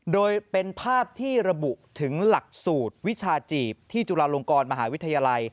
โดยเป็นภาพที่ระบุถึงหลักสูตรวิชาจีบที่จุฬาลงกรมหาวิทยาลัย